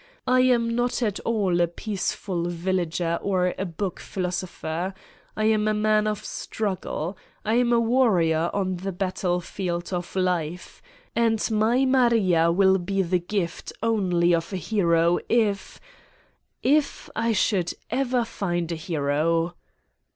I am not at all a peaceful villager or a book philoso pher. I am a man of struggle. I am a warrior on the battlefield of life ! And my Maria will be the gift only of a hero, if if I should ever find a hero."